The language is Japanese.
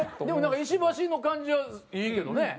でもなんか石橋の感じはいいけどね。